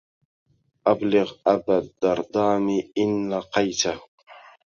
أبلغ أبا الدردام إن لاقيته